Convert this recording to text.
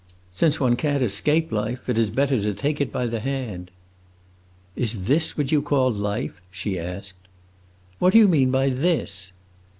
Since one can't escape life, it is better to take it by the hand." "Is this what you call life?" she asked. "What do you mean by 'this'?"